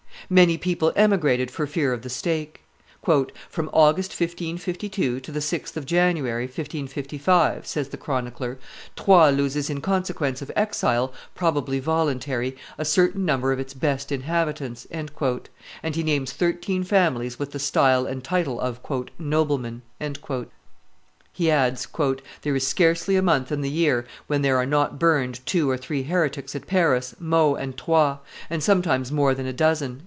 Many people emigrated for fear of the stake. "From August, 1552, to the 6th of January, 1555," says the chronicler, "Troyes loses in consequence of exile, probably voluntary, a certain number of its best inhabitants," and he names thirteen families with the style and title of "nobleman." He adds, "There is scarcely a month in the year when there are not burned two or three heretics at Paris, Meaux, and Troyes, and sometimes more than a dozen."